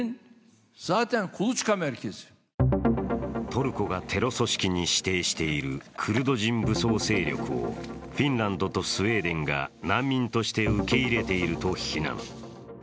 トルコがテロ組織に指定しているクルド人武装勢力をフィンランドとスウェーデンが難民として受け入れていると非難。